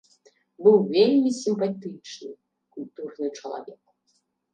Быў вельмі сімпатычны, культурны чалавек.